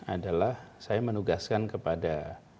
adalah saya menugaskan kepada